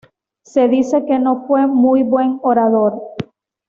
Se dice que no fue muy buen orador.